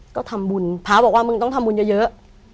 ก็ทำบุญพระบอกว่ามึงต้องทำบุญเยอะ